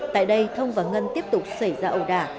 tại đây thông và ngân tiếp tục xảy ra ẩu đả